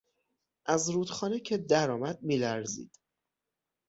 از رودخانه که درآمد میلرزید.